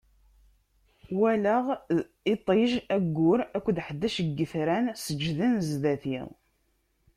Walaɣ iṭij, aggur akked ḥdac n yetran seǧǧden zdat-i.